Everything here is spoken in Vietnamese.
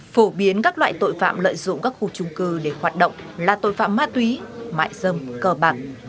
phổ biến các loại tội phạm lợi dụng các khu trung cư để hoạt động là tội phạm ma túy mại dâm cờ bạc